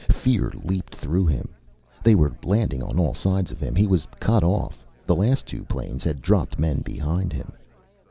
Fear leaped through him. They were landing on all sides of him. He was cut off. The last two planes had dropped men behind him.